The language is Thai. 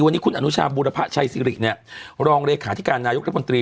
วันนี้คุณอนุชาบุรพชัยซิริเนี้ยรองเลขาที่การนายุทธมตรี